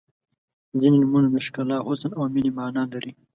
• ځینې نومونه د ښکلا، حسن او مینې معنا لري.